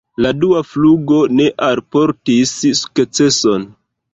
La dua flugo ne alportis sukceson.